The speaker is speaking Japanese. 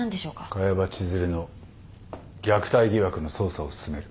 萱場千寿留の虐待疑惑の捜査を進める。